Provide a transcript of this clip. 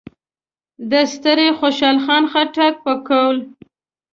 د ستر خوشحال خان خټک په قول: